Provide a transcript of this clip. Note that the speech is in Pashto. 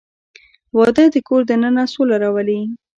• واده د کور دننه سوله راولي.